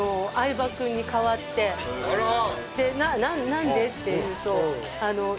なんで？っていうと。